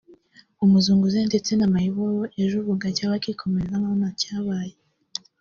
Umuzunguzayi ndetse na Mayibobo; ejo bugacya bakikomereza nkaho ntacyabaye